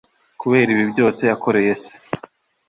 kubera ibibi byose yakoreye se